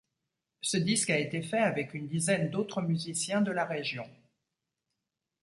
Ce disque a été fait avec une dizaine d'autres musiciens de la région.